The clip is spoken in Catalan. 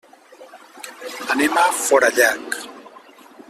Anem a Forallac.